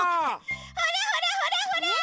ほらほらほらほら！